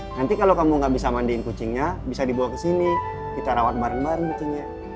nanti kalau kamu gak bisa mandiin kucingnya bisa dibawa kesini kita rawat bareng bareng kucingnya